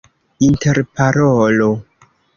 interparolo